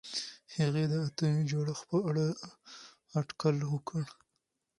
هغې د اتومي جوړښت په اړه اټکل وکړ.